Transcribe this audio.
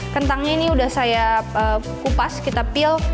kentangnya ini udah saya kupas kita peal